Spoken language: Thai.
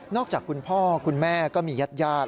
จากคุณพ่อคุณแม่ก็มีญาติญาติ